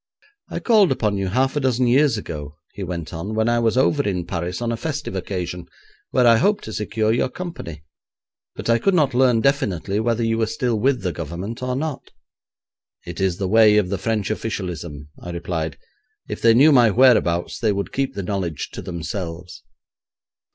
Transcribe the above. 'I called upon you half a dozen years ago,' he went on, 'when I was over in Paris on a festive occasion, where I hoped to secure your company, but I could not learn definitely whether you were still with the Government or not.' 'It is the way of the French officialism,' I replied. 'If they knew my whereabouts they would keep the knowledge to themselves.'